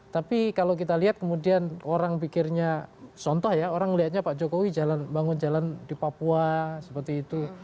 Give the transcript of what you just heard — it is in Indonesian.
tapi kalau kita lihat kemudian orang pikirnya contoh ya orang melihatnya pak jokowi bangun jalan di papua seperti itu